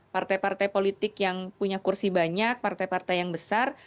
partai partai politik yang punya kursi banyak partai partai yang besar